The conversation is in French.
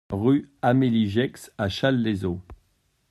Rue Amélie Gex à Challes-les-Eaux